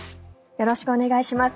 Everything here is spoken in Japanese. よろしくお願いします。